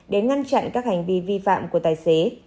để ngăn chặn các hành vi vi phạm của tài xế